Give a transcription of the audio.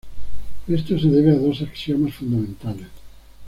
Esto se debe a dos axiomas fundamentales.